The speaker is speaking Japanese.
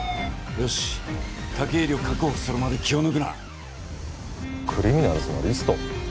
よし武入を確保するまで気を抜くなクリミナルズのリスト？